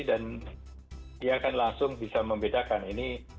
dia akan langsung bisa membedakan ini